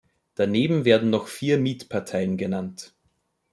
Daneben werden noch vier Mietparteien genannt.